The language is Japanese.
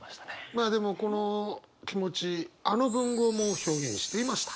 まあでもこの気持ちあの文豪も表現していました。